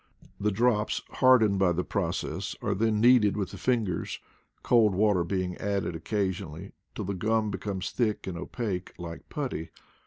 The drops, hardened by the process, are then kneaded with the fingers, cold water being added occasionally, till the gum becomes thick and opaque like putty.